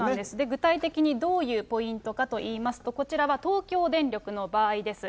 具体的にどういうポイントかといいますと、こちらは東京電力の場合です。